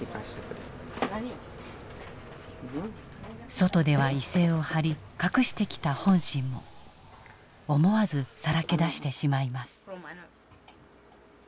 外では威勢を張り隠してきた本心も思わずさらけ出してしまいます。